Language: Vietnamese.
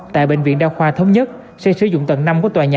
tại bệnh viện đa khoa thống nhất sẽ sử dụng tầng năm của tòa nhà